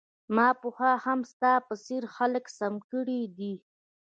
ما پخوا هم ستا په څیر خلک سم کړي دي